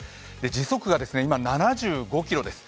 時速が今７５キロです。